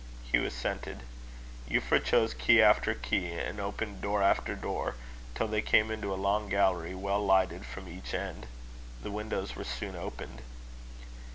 Hugh assented. Euphra chose key after key, and opened door after door, till they came into a long gallery, well lighted from each end. The windows were soon opened.